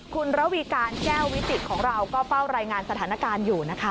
คุณระวีการแก้ววิจิตของเราก็เฝ้ารายงานสถานการณ์อยู่นะคะ